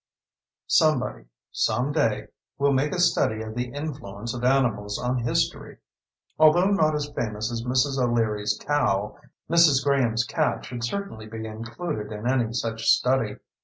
Somebody someday will make a study of the influence of animals on history. Although not as famous as Mrs. O'Leary's cow, Mrs. Graham's cat should certainly be included in any such study.